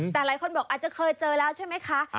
แต่หลายคนบอกอาจจะเคยเจอแล้วใช่ไหมคะ